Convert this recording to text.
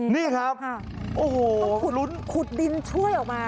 นี่ครับอ่าโอ้โหขุดขุดดินช่วยออกมาค่ะ